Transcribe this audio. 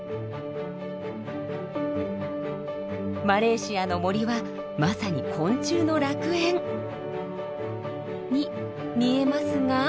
マレーシアの森はまさに昆虫の楽園に見えますが。